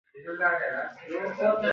ملکیار سپوږمۍ ته د درناوي پیغام ورکوي.